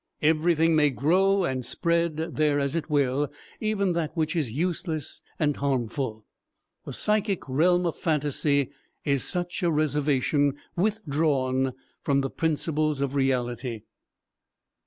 Everything may grow and spread there as it will, even that which is useless and harmful. The psychic realm of phantasy is such a reservation withdrawn from the principles of reality.